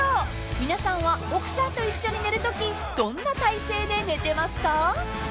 ［皆さんは奥さんと一緒に寝るときどんな体勢で寝てますか？］